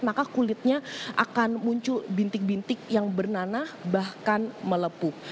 maka kulitnya akan muncul bintik bintik yang bernanah bahkan melepuh